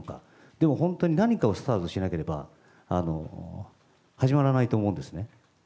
でも本当に何かをスタートしなければ、始まらないと思うんですね。